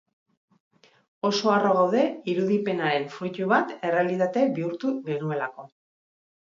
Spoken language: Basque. Oso harro gaude irudipenaren fruitu bat errealitate bihurtu genuelako.